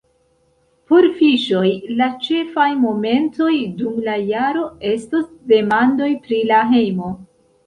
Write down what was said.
Por Fiŝoj la ĉefaj momentoj dum la jaro estos demandoj pri la hejmo.